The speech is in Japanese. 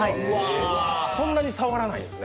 そんなに触らないんですね。